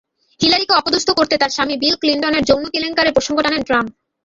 হিলারিকে অপদস্থ করতে তাঁর স্বামী বিল ক্লিনটনের যৌন কেলেঙ্কারির প্রসঙ্গ টানেন ট্রাম্প।